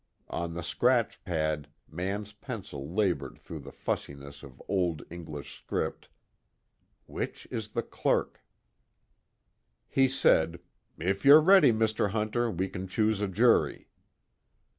On the scratch pad Mann's pencil labored through the fussiness of Old English script: Which is the Clerk? He said: "If you're ready, Mr. Hunter, we can choose a jury."